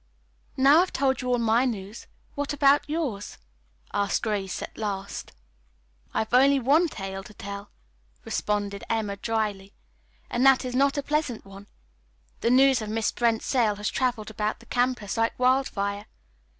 "Now I've told you all my news, what about yours?" asked Grace at last. "I've only one tale to tell," responded Emma dryly, "and that is not a pleasant one. The news of Miss Brent's sale has traveled about the campus like wildfire.